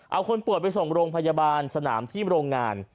เอาคนป่วยไปส่งโรงพยาบาลสนามที่โรงงาน